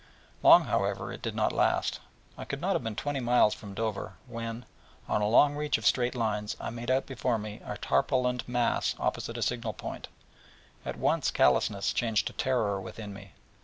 Long, however, it did not last: I could not have been twenty miles from Dover when, on a long reach of straight lines, I made out before me a tarpaulined mass opposite a signal point: and at once callousness changed to terror within me.